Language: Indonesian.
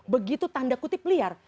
begitu tanda kutip liar